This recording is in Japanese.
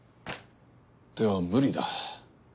では無理だ。